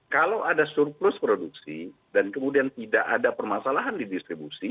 kalau ada surplus produksi dan kemudian tidak ada permasalahan di distribusi